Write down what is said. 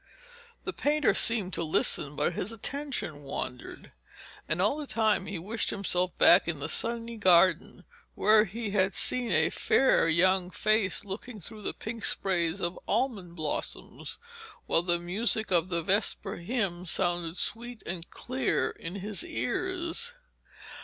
The painter seemed to listen, but his attention wandered, and all the time he wished himself back in the sunny garden, where he had seen a fair young face looking through the pink sprays of almond blossoms, while the music of the vesper hymn sounded sweet and clear in his ears.